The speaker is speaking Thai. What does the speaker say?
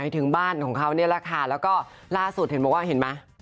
ถึงบ้านของเขาเนี่ยแหละค่ะแล้วก็ล่าสุดเห็นไหม